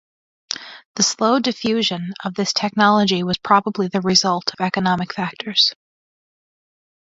The slow diffusion of this technology was probably the result of economic factors.